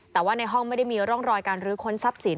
แต่ว่าในห้องไม่ได้มีร่องรอยการรื้อค้นทรัพย์สิน